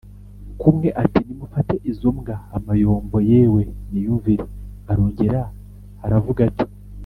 kumwe ati: “nimufate izo mbwa amayombo yewe niyumvire.” arongera aravuga ati: